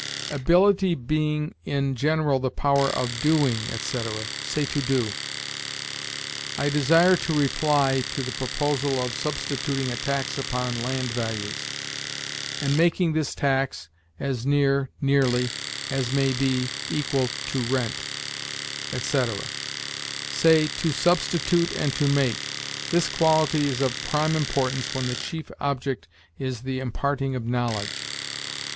"Ability being in general the power of doing," etc. Say, to do. "I desire to reply ... to the proposal of substituting a tax upon land values ... and making this tax, as near [nearly] as may be, equal to rent," etc. Say, to substitute and to make. "This quality is of prime importance when the chief object is the imparting of knowledge."